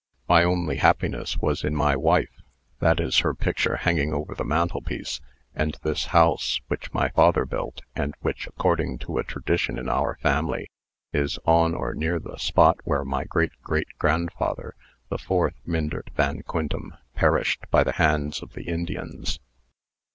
My only happiness was in my wife that is her picture hanging over the mantelpiece and this house, which my father built, and which, according to a tradition in our family, is on or near the spot where my great great grandfather, the fourth Myndert Van Quintem, perished by the hands of the Indians."